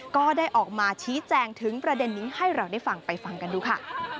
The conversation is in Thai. ก็ได้ออกมาชี้แจงถึงประเด็นนี้ให้เราได้ฟังไปฟังกันดูค่ะ